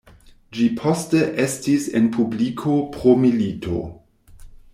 Ĝi poste estis en publiko pro milito.